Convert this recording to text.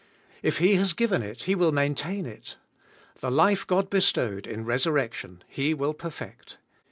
If He has given it He will main tain it; the life God bestowed, in resurrection. He will perfect.